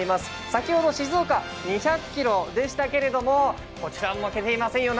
先ほど静岡、２００キロでしたけどこちらも負けていませんよ。